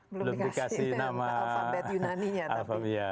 belum dikasih alfabet yunaninya